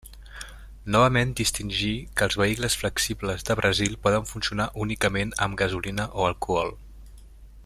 Novament distingir que els vehicles flexibles de Brasil poden funcionar únicament amb gasolina o alcohol.